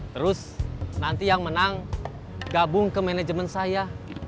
terus nanti yang menang gabung ke manajemen saya